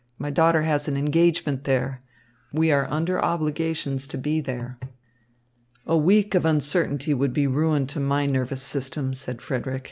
My daughter has an engagement there. We are under obligations to be there." "A week of uncertainty would be ruin to my nervous system," said Frederick.